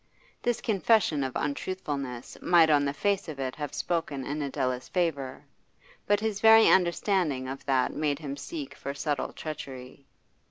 This confession of untruthfulness might on the face of it have spoken in Adela's favour; but his very understanding of that made him seek for subtle treachery.